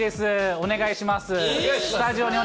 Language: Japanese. お願いします。